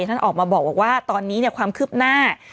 ท่านออกมาบอกว่าตอนนี้ความคืบหน้า